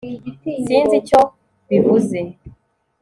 sinzi icyo bivuze